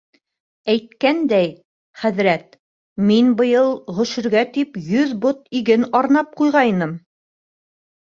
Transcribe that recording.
— Әйткәндәй, хәҙрәт, мин быйыл ғөшөргә тип йөҙ бот иген арнап ҡуйғайным.